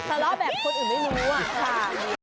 ตลอดแบบคนอื่นไม่รู้อ่ะ